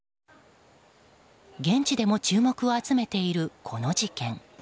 現地でも注目を集めているこの事件。